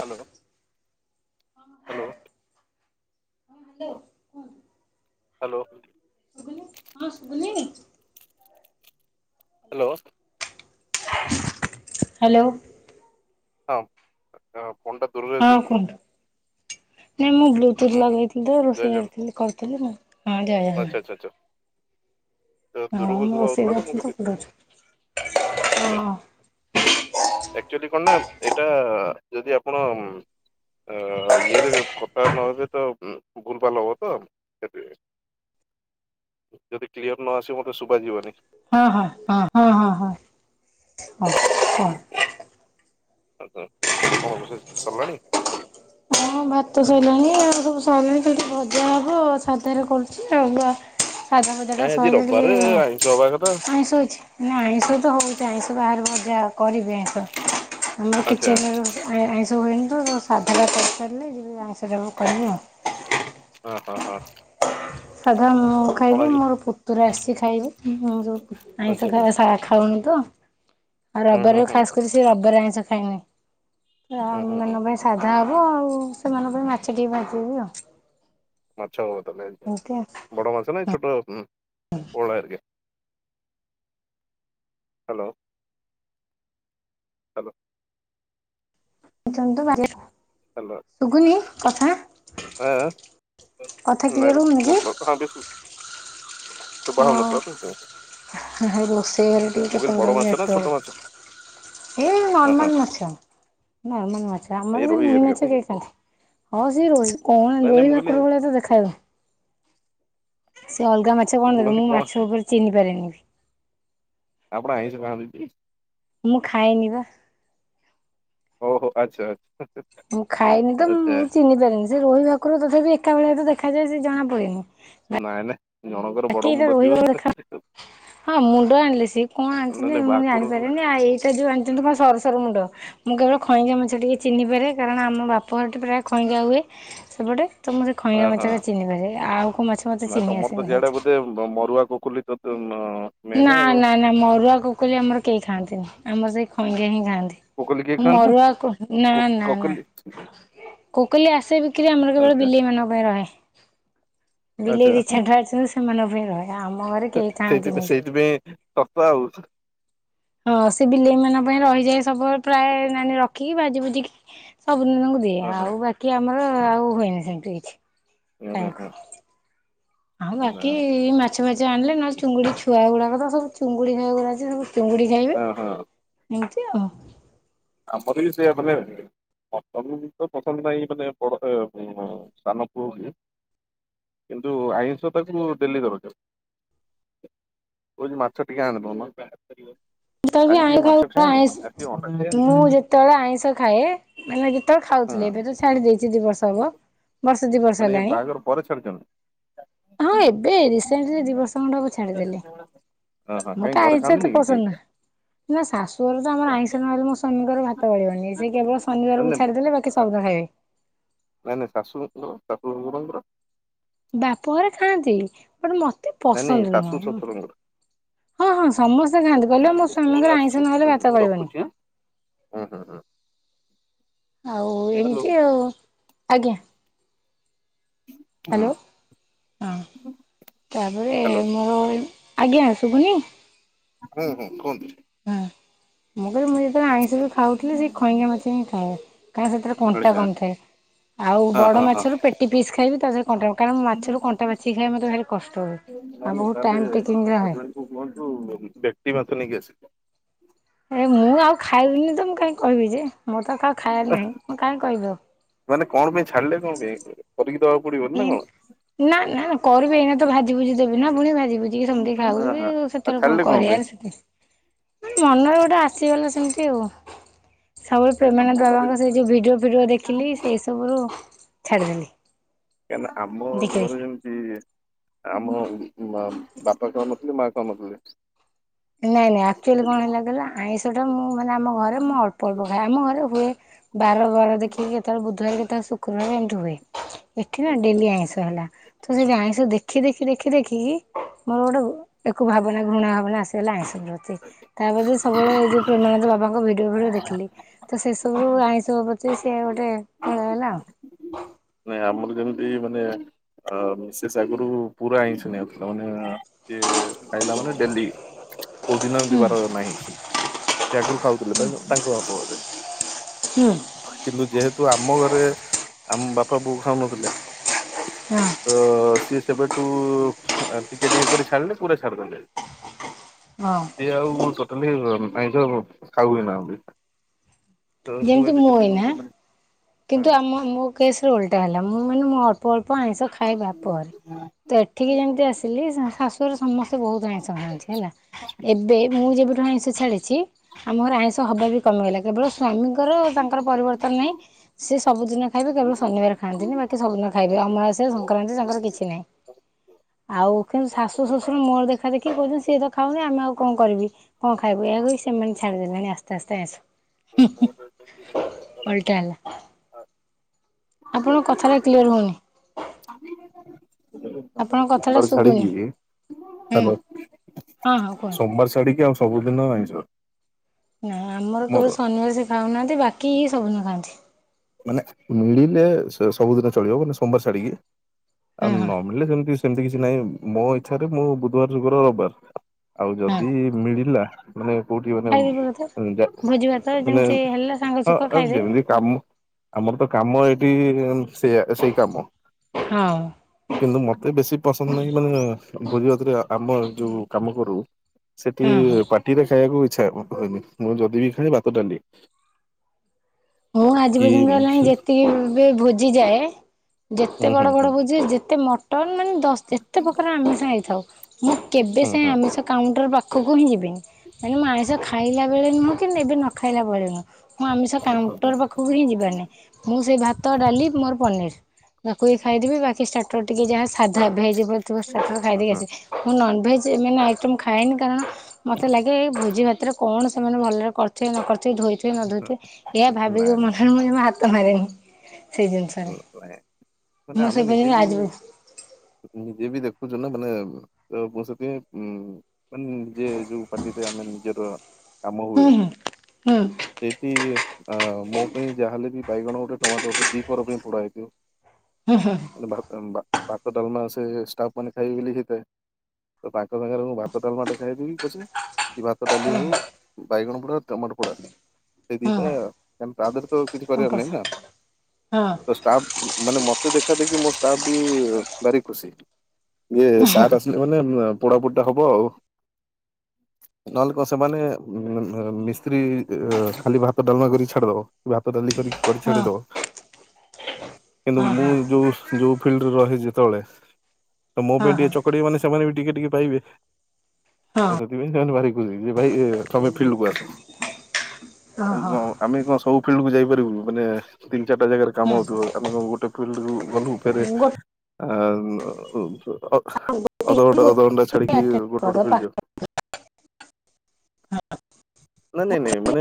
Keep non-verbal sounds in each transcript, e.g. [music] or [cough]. Hello hello. Hello ହୁଁ। Hello. ହଁ ଶୁଭୁନି? ହାଲୋ। ହାଲୋ। ହଁ ପଣ୍ଡା ଦୂରରେ ହଁ ଅଛି କି? କୁହନ୍ତୁ ନାଇଁ ମୁଁ ବ୍ଲୁଟୁଥ ହୁଁ ହୁଁ ଲଗେଇଥିଲି ତ ଜୟ ରୋଷେଇ ଜଗନ୍ନାଥ କରିଥିଲି କରୁଥିଲି ମୁଁ ହଁ ଜୟ ଆଚ୍ଛା ଜଗନ୍ନାଥ। ଆଚ୍ଛା ଆଚ୍ଛା ତ ହଁ ଦୂରକୁ ମୁଁ ରୋଷେଇ ଶୁଭାଯାଉଥୁଲା ତ ମୁଁ କରିଥିଲି କହିଲି କରୁଛି ହଁ ଆଚଛା। ଆକ୍ଚୁଆଲି କଣ ନା ଏଇଟା ଯଦି ଆପଣ ଆ ଇଏରେ କଥା ନହେ ତ ଭୁଲ ଭାଲ ହବ ତ ଯଦି କ୍ଲିୟର ନ ଆସେ ମତେ ଶୁବା ଯିବନି। ହଁ ହ ହ ହ ହ ହ ହ ହ ହ ହ ହଁ ଭାତ ଶଇଲାଣି ଆଉ ସବୁ ଚାଲିଚି ଆଜି ଭଜା ହବ ଆଉ ସାଧାରେ କରୁଛି ଆ ଭଜା ଫଜା ଟା କାଇଁ ଆଜି ସହଜେ ଟିକେ ରବିବାରେ ଆଇଁଷ ହବା କଥା ଆଇଁଷ ଅଛି ନା ଆଇଁଷ ସେ ତ ହଉଛି ଆଇଁଷ ବାହାରୁ ମଜା କରିବି ଆଇଁଷ ଆମର ଆଚ୍ଛା କିଚେନ୍ ରେ ଆଇଁଷ ଇନ୍ତୁ ସାଧଟା କରିସାରିଲେ ଯିବି ଆଉଁସଟା କରିବୁ ଆଉ। ଓ ହୋ ହଁ ଆ ମୁଁ କଣ ଖାଇବୁ ଆଜି ମୋର ପୁତୁରା ଆସିଚି ଖାଇବ ମୁ ଯେଉ ଆଚ୍ଛା ଆଇଁଷ ଆଚ୍ଛା ଖାଇବା ସା ଖାଉନି ତ ଆଉ ହୁଁ ହୁଁ ରବବାରେ ହୁଁ ଖାସ କରି ସେ ରବିବାରେ ଆଇଁଷ ଖାଏନି। ହୁଁ ଆମ ହୁଁ ହୁଁ ମାନଙ୍କ ପାଇଁ ସାଧା ହବ ଆଉ ସେମାନଙ୍କ ପାଇଁ ମାଛ ଟିକେ ଭାଜିଦେବି ଆଉ। [unintelligible] ଏମିତି ଆଉ। ବଡ଼ ମାଛ ନାଁ ଏ ଛୋଟ ହଁ ପୋହୋଳା ହେରୀକା ହ୍ୟାଲୋ ହଲୋ ଶନ୍ତୁ ଶୁଗୁନି କଥା କଥା ନାଇଁ କ୍ଲିୟର ହଉନି ବା କି? [unintelligible] ଶୁଭା ହଉନଥିଲା ତ ସେଥିପାଇଁ। ହଁ ରୋଷେଇ ଘରେ ଟିକେ ମୁଁ କହିଲି ବଡ କେତେବେଳେ ମାଛ ନା ନେଟ ଛୋଟ ମାଛ ଏଇ ହଁ ନର୍ମାଲ ମାଛ ନର୍ମାଲ ମାଛ ଏଇ ଆମର ବି ରୋହି ନୁହେଁ ହେରିକା ନାଇଁ [unintelligible] ହ ସେଇ ରୋହି କଣ ନାଇଁ ନାଇଁ ରୋହି ମୁଁ ଭାକୁର କହିଲି ଭଳିଆ ତ ଦେଖାହଉଚି। ସେ ଅଲଗା ମାଛ କଣ ଦେଖ ମୁଁ ମାଛ ଉପରେ ଚିହ୍ନିପାରେନି। ଆପଣେ ଆଇଁଷ ଖାଆନ୍ତିନି କି ମୁଁ ଖାଏନି ବା ଓହୋ ଆଚ୍ଛା ଆଛା। ମୁଁ ଖାଏନି ତ ମୁଁ ଚିହ୍ନି ପାରେନି ସେ ରହିଭାକୁର ତଥାପି ଏକା ଭଳିଆ ତ ଦେଖାଯାଏ ସେ ଜଣା ପଡେନି। ନାଇଁ ନାଇଁ ଯଣଙ୍କର ବାକି ବଡ ଏଇଟା ମୁଣ୍ଡ ରୋହି ଥିବ ଭାକୁର ସେ ଦେଖା ହଁ ମୁଣ୍ଡ ଆଣିଲେ ସିଏ କଣ ଆଣିଛନ୍ତି ମୁ ଭାକୁର ହଁ ଜାଣିପାରେନି ଆ ଏଇଟା ଯୋଉ ଆଣିଛନ୍ତି ତ ସରୁସରୁ ମୁଣ୍ଡ। ମୁଁ କେବଳ ଖଇଁକା ମାଛ ଟିକେଏ ଚିହ୍ନିପାରେ କାରଣ ଆମ ବାପଘରଟି ପ୍ରାୟ ଖଇଁକା ହୁଏ ସେପଟେ ତ ମୁଁ ସେ ଖଇଁକା ହଁ ମାଛା ଟା ଚିଂହିପାରେ ଆଉକୋଉ ମାଛ ମତେ ନାଇଁ ଚିହ୍ନି ତମର ତ ଆସିନିହାନ୍ତି। ସିଆଡେ ମରୁଆ କୋଖୁଲି ତତେ ନା ନା ନା ମରୁଆ କୁକୁଲି ଆମର କେହି ଖାଆନ୍ତିନି ଆମର ସେଇ ଖଇଙ୍ଗା ହିଁ ନାହାନ୍ତି କୋକୋଲି କିଏ ମୁଁ ଖାଆନ୍ତି? ମରୁଆ ନା ନା ନା କୋକୋଲି କୋକିଲି ଆସେ ବି ଆମର କେବଳ ଆଚ୍ଛା ବିଲେଇ ମାନଙ୍କ ପାଇଁ ରହେ। ଆଚ୍ଛା ବିଲେଇ ଛୁଆ କେଇଟା ଅଛନ୍ତି ସେମାନଙ୍କ ପାଇଁ ରହିବ ଆମ ଘରେ କେହି ଖାଆନ୍ତିନି। ସସ୍ତା ଆଉ ହଁ ସେ ବିଲେଇ ମାନଙ୍କ ପାଇଁ ରହିଯାଏ ସବୁ ପ୍ରାୟ ମାନେ ରଖିକି ଭାଜି ଭୁ ସବୁ ଦିନ ତାଙ୍କୁ ଦିଏ ହଁ ହଁ ଆଉ ବାକି ଆମର ଆଉ ହୁଏନି ସେମତି କିଛି ହଁ ହଁ ଖାଇବାକୁ ଆଉ ବାକି ମାଛ ଫାଛ ଆଣିଲେ ନହଲେ ଚୁଙ୍ଗୁଡି ଛୁଆ ଗୁଡାକ ତ ସବୁ ଚୁଙ୍ଗୁଡି ଖୁଆ ଗୁଡା ଅଛି ସବୁ ଚିଙ୍ଗୁଡି ଖାଇବେ ହଁ ହଁ। ଏମିତି ଆଉ। ଆମର ବି ସେଇଆ ମାନେ [unintelligible] ତ ପସନ୍ଦ ନାହିଁ ମାନେ ବଡ ଖାଇବା ପାଇଁ ମୋର ସାନ ପୁଅ କୁ ଦିଏ। କିନ୍ତୁ ଆଇଁଷ ତାକୁ ଡେଲି ଦରକାର। କହୁଚି ମାଛ ଟିକେ ଆଣିଦଉନ। ଯେତେବେଳେ ବି ଆଜି ଆଇଁ ଟିକେ ଖାଉ ମାଛ ଖାଇବାନି ଆଇଁଷ ଆଜି ଅଣ୍ଡା ଖାଇବାନି ମୁଁ ଯେତେବେଳେ ଆଇଁଷ ଖାଏ ମାନେ ଯେତେବେଳେ ଖାଉଥିଲି ହଁ ଏବେ ତ ଛାଡି ଦେଇଛି ଦି ବର୍ଷ ହବ ବର୍ଷେ ଦି ବର୍ଷ ମାନେ ଏ ହେଲାଣି ବାହାଘର ପରେ ଛାଡିଛନ୍ତି? ହଁ ଏବେ ରିସେଣ୍ଟ ଦି ବର୍ଷ ଖଣ୍ଡେ ହବ ଛାଡିଦେଲି। ହଁ ହଁ କାଇଁ ମତେ ଘରେ ଆଇଁଷ ଖାଆନ୍ତିନି ଏତେ କି କିଏ ପସନ୍ଦ ନା ନା ଶାଶୁର ତ ଆମର ଆଇଁଷ ନହେଲେ ମୋ ସ୍ୱାମୀଙ୍କର ଭାତ ଗଳିବନି ସେ କେବଳ ଶନିବାରକୁ ଛାଡିଦଲେ ବାକି ସବୁ ଭାଇ ନାଇ ନାଇଁ, ଶାଶୁ ଶଶୁର, ଶାଶୁଶଶୁରଙ୍କର ବାପ ଘରେ ଖାଆନ୍ତି, ମତେ ନାଇଁ ନାଇଁ ପସନ୍ଦ ଶାଶୁ ନୁହଁ। ଶଶୁରଙ୍କର ହଁ ହଁ ସମସ୍ତେ ଖାନ୍ତି କହିଲି, ମୋ ସ୍ଵାମୀଙ୍କର ଆଇଁଷ ନହେଲେ ଭାତ ଗଳିବନି। ହଁ ହୁଁ ହଁ ଆଉ ଏମିତି ଆଉ ଆଜ୍ଞା ହାଲୋ ହଁ ତାପରେ ହ୍ୟାଲୋ ମୋର ଆଜ୍ଞା, ଶୁବୁନି ହୁଁ ହୁଁ କୁହନ୍ତୁ ମୁଁ କହିଲି, ମୁଁ ଯେତେବେଳେ ଆଇଁଷ ବି ଖାଉଥିଲି, ସେ ଖଇଙ୍ଗା ମାଛ ହିଁ ଖାଏ, କାହିଁକ-ସେଥିରେ କଣ୍ଟା ଆଚ୍ଛା କମ ଥାଏ। ଆଉ ହଁ ବଡ ହଁ ହଁ ମାଛ ର ପେଟି ପିସ୍ ଖାଏ। କଣ୍ଟା କାରଣ ମାଛରୁ କଣ୍ଟା ବାଛି ଖାଏ ମତେ ଭରି କଷ୍ଟ ହୁଏ ଆଉ ବହୁତ ଟାଇମ ଟେକିଙ୍ଗ ହୁଏ। ବ୍ୟକ୍ତିଗତ ନେଇକି ଆସିଲେ ଏ ମୁଁ ଆଉ ଖାଇବିନି ତ ମୁଁ କାହିଁ କହିବି ଯେ ମୁଁ ତ ଖାଏ ନାହିଁ ମୁଁ କାହିଁ କହିବ ମାନେ କଣ ପାଇଁ ଛାଡିଲେ କଣ ପାଇଁ ଆଉ କରିକି ଦବାକୁ ପଡିବନି ନା କଣ ନା ନା କରିବେ ଏଇନା ତ ଭାଜିିଭୁଜି ଦେବି ନା ପୁଣି ଭାଜି ବୁଜିକି ସେମିତିକୁ ହ ହଁ। ଖାଉବାକୁ ଆଉ ସେତେରେ କଣ ଛାଡିଲେ କରିବା ପାଇଁ ସେ ମନରେ ଗୋଟେ ଆସିଗଲା, ସେମିତି ଆଉ ସବୁବେଳେ ନାଇଁ ଆମ ପ୍ରେମାନନ୍ଦ ଘରେ ବାବାଙ୍କ ସେ ଯୋଉ ଭିଡିଓ ଫିଡିଓ ଦେଖିଲି ସେଇ ସବୁ ରୁ ଛାଡିଦେଲି। କାହିଁକି ନା ଆମ ଘରେ ଯେମିତି, ଆମ ବାପା ଖାଉନଥିଲେ ମ କ ମ [inaudible] ନାଇଁ ନାଇଁ ଆକ୍ଚୁଆଲି କଣ ହେଲା କହିଲ ଆଇଁଷ ଟା ମୁଁ ମାନେ ଆମ ଘରେ ମୁଁ ଅଳ୍ପ ଅଳ୍ପ ଖାଏ, ଆମ ଘରେ ହୁଏ ବାର ବାର ଦେଖିକି କେତେବେଳେ ବୁଧବାର କେତେବେଳେ ଶୁକ୍ରବାର ଏମିତି ହୁଏ। ଏଠି ନା ଡେଲି ଆଇଁଷ ହେଲା, ତ ଆଇଁଷ ଦେଖି ଦେଖି ଦେଖି ଦେଖିକି ମୋର ଗୋଟେ ଏକ ଭାବନା ଘୃଣା ଭାବନା ଆସିଗଲା ତା ପରେ ତ ସବୁବେଳେ ଏଇ ଯୋଉ ପ୍ରେମାନନ୍ଦ ବାବାଙ୍କ ଭିଡିଓ ଫିଡିଓ ଦେଖିଲି, ତ ସେସବୁ ଆଇଁଷ ସବୁ ପ୍ରତି ସେ ଗୋଟେ ଖଳ ହେଲା ଆଉ। ହୁଁ [inaudible] ମାନେ ଆମର ଯେମିତି ମାନେ ମିସେସ୍ ଆଗରୁ ପୁରା ଆଇଁଷ ଛୁଇନଥିଲେ ମାନେ ଯେ ଖାଇଲା ମାନେ ଡେଲି କୋଉ ଦିନ ଏମତିି ହୁଁ ବାର ନାହିଁ ସେ ଆଗରୁ ଖାଉଥିଲେ ତାଙ୍କ ବାପଘରେ ହୁଁ କିନ୍ତୁ ଯେହେତୁ ଆମ ଘରେ ଆମ ବାପା, ବୋଉ ଖାଉନଥିଲେ ହଁ ତ ସିଏ ସେବେଠୁ ଟିକେ ଟିକେ କରି ଛାଡିଲେ ପୁରା ଛାଡ଼ି ଦେଲେ। ହଁ ସିଏ ଆଉ ଟୋଟାଲି ଆଇଷଁ ଖାଉ ନାହାନ୍ତି। ଯେମିତି ମୁଁ ଏଇନା [unintelligible] କିନ୍ତୁ ଆମ ମୋ କେସରେ ଓଲଟା ହେଲା ମୁଁ ମାନେ ଅଳ୍ପ ଅଳ୍ପ ଆଇଁଷ ଖାଇବା ପରେ। ତ ଏଠିକି ଯେମିତି ଆସିଲି ଶାଶୁଘର ସମସ୍ତେ ବହୁତ ଆଇଁଷ ଖାଆନ୍ତି, ହେଲା, ଏବେ ମୁଁ ଯେବେ ଆଇଁଷ ଛାଡିଛି, ଆମର ଆଇଁଷ ହବା ବି କମିଗଲା କେବଳ ସ୍ୱାମୀ ତାଙ୍କ ତାଙ୍କର ପରିବର୍ତ୍ତନ ନାହିଁ। ସେ ସବୁଦିନ ଖାଇବେ, କେବଳ ଶନିବାର ଖାଆନ୍ତିନି, ବାକି ସବୁଦିନ ଖାଇବେ, ଅମାବାସ୍ୟା ସଂକ୍ରାନ୍ତି ତାଙ୍କର କିଛି ନାହିଁ। ଆଉ କିନ୍ତୁ ଶାଶୁ ଶ୍ୱଶୁର ମୋର ଦେଖା ଦେଖି କହୁଛନ୍ତି ସିଏ ତ ଖାଉନି, ଆମେ ଆଉ କଣ କରିବି। କଣ ଖାଇବୁ ଏଇଆକୁ ସେମାନେ ଛାଡିଦେଲେଣି ଆସ୍ତେ ଆସ୍ତେ ଆଇଂସ। ଓଳଟା ହେଲା। ଆପଣଙ୍କ କଥାଟା କ୍ଲିୟର ହଉନି। ଆପଣଙ୍କ କଥାଟା ଶୁଭୁନି ହୁଁ ହଁ [unintelligible] ହଁ କୁହନ୍ତୁ ସୋମବାର ଛାଡିକି ଆଉ ସବୁଦିନ ଆଇଁଷ। ନା ଆମର କେବଳ ମୋର ଶନିବାର ସେ ଖାଉନାହାନ୍ତି ବାକି ଇ ସବୁଦିନ ଖାଆନ୍ତି। ମାନେ ମିଳିଲେ ସେ ସବୁଦିନ ଚଳିବ, ମାନେ ସୋମବାର ଛାଡିକି, ଆଉ ହଁ ହଁ ନ ମିଳିଲେ ସେମତି। ସେମିତି କିଛି ନାହିଁ ମୋ ଇଚ୍ଛାରେ, ମୁଁ ବୁଧବାର ଯୁଗର ରବିବାର ଆଉ ହଁ ଯଦି ମିଳିଲା। ମାନେ କୋଉଠି ଖାଇଦେବେ ବୋଧେ ମାନେ ଭୋଜି ଭାତ ମାନେ ଯେମିତି ହେଲା ସାଙ୍ଗ ସୁଖ ହଁ ଯେମିତି ଖାଇଦେବେ କାମ ଆମର ତ କାମ ଏଇଠି ସେଆ ସେଇ କାମ। ଆଉ କିନ୍ତୁ ମତେ ବେଶୀ ପସନ୍ଦ ନାହିଁ ମାନେ ଭୋଜି ଭାତରେ ଆମ ଯୋଉ କାମ କରୁ ସେଠି ହଁ ହଁ। ପାଟିରେ ଖାଇବାକୁ ଆଛା ମୁଁ ଯଦି ବି ଖାଏ ଭାତ ଡାଲି। ହଁ ଆଜି କି ପର୍ଯ୍ୟନ୍ତ ହୁଁ ହେଲାଣି ଯେତିକି ବି ଭୋଜିଯାଏ ଯେତେ ହୁଁ ବଡ ହୁଁ ବଡ ଭୋଜି ଯେତେ ମ ମାନେ ଦସ୍ ଯେତେ ପ୍ରକାର ଆମିଷ ହେଇଥାଉ ମୁଁ କେବେ ହୁଁ ସେ ହୁଁ ଆମିଷ କାଉଣ୍ଟର ପାଖ ପାଖକୁ ହିଁ ଯିବିନି ମାନେ ମୁ ଆଇଁସ ଖାଇଲା ବେଳେ ନୁହଁ କି ଏବେ ନ ଖାଇଲା ବେଳେ ନୁହଁ। ମୁଁ ଆମିଷ କାଉଣ୍ଟର ହୁଁ ପାଖକୁ ହିଁ ଯିବାର ନାଇଁ ମୁଁ ସେଇ ଭାତ ଭାତ ଡାଲି ମୋର ପନିର ତାକୁ ଖାଇଦବି ବାକି ଟ ଟିକେ ଯାହା ସାଧା ଭେଜ୍ ଥିବ ଷ୍ଟାର୍ଟର ଖାଇଦେଇକି ହୁଁ ଆସେ ମୁଁ ଭେଜ୍ ଏମାନେ ଆଇଟମ୍ ଖାଏନି କାରଣ ମତେ ଲାଗେ ଏ ଭୋଜି ଭାତରେ କଣ ସେମାନେ ଭଲରେ କରିଥିବେ ନ କରି ଧୋଇଥିବେ ନଧୋଇଥିବେ ଏହା ଭାବିକି ନାଇଁ ମନରେ ମୁ ଜମା ହାତ ମାରେନି। ସେଇ ଜିନିଷରେ ନ ମାନେ ମୁଁ ସେ ଆମେ ନିଜେ ପର୍ଯ୍ୟନ୍ତ ବି ଆଜି ହୁଁ ନିଜେ ବି ଦେଖୁଛୁ ରେ ମାନେ ସେଥି ଉ ନି ଯୋଉ ପାର୍ଟିରେ ଆମେ ନିଜର କାମ ହୁଏ ହୁଁ ହୁଁ ସେଇଠି ଅ ମୋ ପାଇଁ ଯାହାହେଲେ ବି ବାଇଗଣ ଗୋଟେ ଟମାଟୋ ଗୋଟେ ଦିପହର ପାଇଁ ପୋଡ଼ା ହେଇଥିବ ମାନେ ଭାତ ଭା ଭାତ ଡଲମା ଆସେ ଷ୍ଟାଫ ମାନେ ଖାଇବେ ବୋଲି ହେଇଥ। ତାଙ୍କ ସାଙ୍ଗରେ ମୁଁ ଭାତ ଡ଼ାଲମାଟେ ଖାଇଦେବି ପଛେ କି ଭାତ ଡାଲି ହଉ ବାଇଗଣ ପୋଡା ଟମାଟ ପୋଡା। ସେ ହଁ ଦିଟା ହଁ କ ତା ଦେହରେ ତ କିଛି କରିବାର ସମ୍ପର୍ଷ ନାହିଁ ନା। ହଁ ଷ୍ଟାପ୍ ମାନେ ମତେ ଦେଖା ଦେଖି ମୋ ଷ୍ଟାଫ୍ ବି ଭାରି ଖୁସି। ଇଏ ସାର ଆସିଲେ ମାନେ ପୋଡାପୋଡି ଟା ହବ ଆଉ। ନହେଲେ କଣ ସେମାନେ ମିସ୍ତ୍ରୀ ଖାଲି ଭାତ ଡାଲମା କରିକି ଛାଡିଦବ ଭାତ ଡାଲି ଡାଲି କରିକି ହଁ ଛାଡି ଦବ କିନ୍ତୁ ମୁଁ ଯୋଉ ସି ଯୋଉ ଫିଲ୍ଡରେ ରହିଛି ତଳେ ତ ମୋ ହଁ ପାଇଁ ଟିକେ ହଁ ଚକଡିବି ମାନେ ସେମାନେ ବି ଟିକେ ଟିକେ ପାଇବେ। ତ ହଁ ସେଥିପାଇଁ ଭାରି ଖୁସି ଯେ ଭାଇ ତମେ ଫିଲ୍ଡକୁ ଆସ। ହଁ ହଁ ଆଉ ହୁଁ ଆମେ କଣ ସବୁ ଫିଲ୍ଡ କୁ ଯାଇପାରିବୁନୁ ମାନେ ତିନି ଚାରିଟା ଜାଗାରେ କାମ ହଉଥିବ ଆମେ ଗୋଟେ ଫିଲ୍ଡ ଗଲୁ ଫେରେ ଗୋଟେ ଆ ଆଁ ଅଧ୍ ଅଧ ଅଧ ଗୋଟେ ଘଣ୍ଟେ ଛାଡିକି ଆଟେଣ୍ଡ ଗୋଟେ ଗୋଟେ କରିଦବ ଫିଲ୍ଡଯିବ। ହଁ। ନାଇଁ ନାଇଁ ନାଇଁ ମାନେ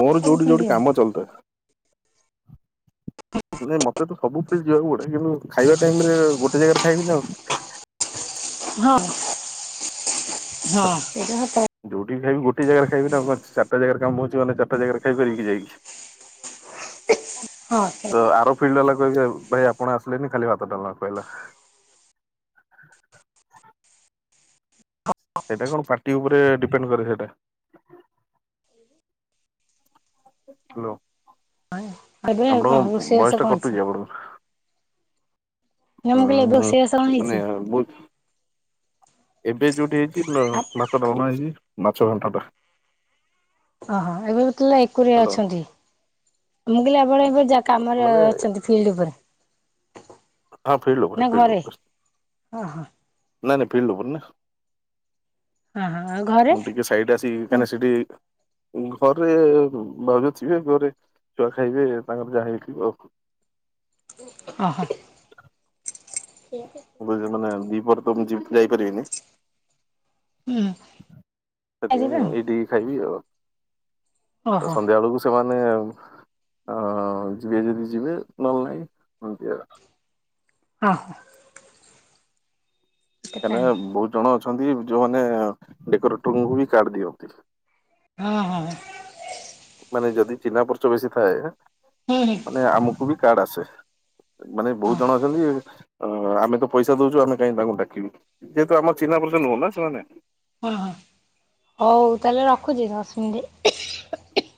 ମୋର ଯୋଉଠି ଫିଲ୍ଡ ଯୋଉଠି କାମ ଚାଲୁଥାଏ। ନାଇଁ ମତେ ତ ସବୁ ଫିଲ୍ଡ ଯିବାକୁ ପଡେ କିନ୍ତୁ ଖାଇବା ଟାଇମରେ ଗୋଟେ ଜାଗାରେ ଖାଇବି ନା ଆଉ। [inaudible] ହଁ ହଁ ସେଇଟା ସତ କଥା। ବି ଖାଇବି ଗୋଟେ ଜାଗାରେ ଖାଇବି ନା ଆଉ କଣ ଚାରିଟା ଜାଗାରେ କାମ ହଉଛି ମାନେ ଚାରଟା ଜାଗାରେ ଖାଇି ପାରିବିକି ଯାଇକି। ହଁ ତ ଆର ଫିଲ୍ଡ ବାଲା କହିବେ ଭାଇ ଆପଣ ଆସିଲେନି ଖାଲି ଭାତ ଡାଲମା ଖୁଆଇଲା। [inaudible] ସେଇଟା କଣ ପାର୍ଟି ଉପରେ ଡିପେଣ୍ଡ କରେ ସେଇଟା। ହାଲୋ ଏବେ କଣ ଆପଣଙ୍କ ରୋଷେଇବାସ ଭୟସ ଟା କଣ ହେଇଛି? କଟୁଛି ଆପଣଙ୍କର ନା ମୁଁ କହିଲି ଏବେ ଉଁ ରୋଷେଇ ବାସ କଣ ମାନେ ହେଇଛି? ଏବେ ଯୋଉଠି ହେଇଛି ମ୍ ଭାତ ଡାଲମା ହେଇଛି। ମାଛ ଘାଣ୍ଟଟା ଓହୋ ଏବେତେ ଏକୁଟିଆ ଅଛନ୍ତି। ମୁଁ କହିଲି ଆପଣ ଏବେ ଯାହା କାମରେ ମାନେ ଅଛନ୍ତି ଫିଲ୍ଡ ଉପରେ ହଁ ଫିଲଡ୍ ଓପରେ ନା ଫିଲଡ୍ ଘରେ? ଓପରେ ସ୍ତ ଓହୋ ନାଇଁ ନାଇଁ ଫିଲଡ୍ ଓପରେ ନା। ହଁ ହଁ ଆଉ ଘରେ ମୁଁ ଟିକେ ସାଇଡ୍ ଆସିକି କାହିଁକିନା ସେଠି ଉଁ-ଘରେ ଉଁ-ମାଗୁଥିବେ ଥିବେ ଘରେ ଛୁଆ ଖାଇବେ ତାଙ୍କର ଯାହା ହେଇଥିବ। ଓହୋ। ହବଯେ ମାନେ ଦିପରେ ତ ମୁଁ ଯି-ଯାଇପାରିବିନି। ହୁଁ ସେଥିପାଇଁ ଆଉ ଏଇଠି ଖାଇବି ଆଉ। ତ ଓହୋ ସନ୍ଧ୍ୟାବେଳକୁ ସେମାନେ ଆଉ ଅ-ଯିବେ ଯଦି ଯିବେ ନହେଲେ ନାହିଁ ଏମିତିଆ। ଓହୋ। କେତେ କାହିଁକିନା ବୋହୁତ ଜଣ ଅଛନ୍ତି ଯୋଉମାନେ ଡେକୋରେଟରଙ୍କୁ ବି କାଢଦିଅନ୍ତି। ଅ ହଁ ହଁ। ନାଇ ଯଦି ଚିନହା ପରିଚ ବେଶୀ ଥାଏ, ହୁଁ ହୁଁ ମାନେ ଆମକୁ ବି କାର୍ଡ ଆସେ। ମାନେ ଓହୋ ବୋହୁତ ଜଣ ଅଛନ୍ତି ଅ-ଆମେ ତ ପଇସା ଦୋଉଚୁ ଆମେ କାହିଁକି ତାଙ୍କୁ ଡାକିବୁ ଯେହେତୁ ଆମ ଚିହ୍ନା ପରିଚ ନୁହଁ ନା ସେମାନେ ହଁ ହଁ ହୋଉ ତାହେଲେ ରଖୁଚି ଦଶ ମିନିଟ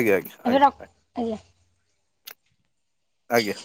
ଆଜ୍ଞା ଆଜ୍ଞା ଆଏ ଆଏ। ଆଜ୍ଞା।